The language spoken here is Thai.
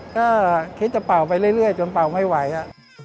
ก็คิดจะเป่าไปเรื่อยจนเป่าไม่ไหวอ่ะ